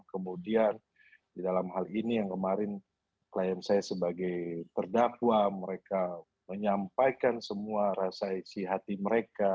kemudian di dalam hal ini yang kemarin klien saya sebagai terdakwa mereka menyampaikan semua rasa isi hati mereka